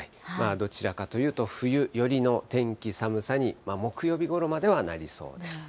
どちらかというと、冬寄りの天気、寒さに、木曜日ごろまではなりそうです。